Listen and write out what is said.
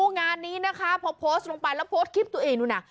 งานนี้นะคะพอโพสต์ลงไปแล้วโพสต์คลิปตัวเองดูน่ะ